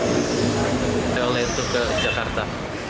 boleh boleh itu ke jakarta